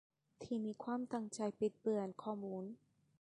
ที่มีความตั้งใจบิดเบือนข้อมูล